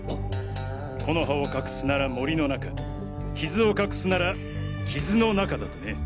「木の葉を隠すなら森の中」傷を隠すなら傷の中だとね。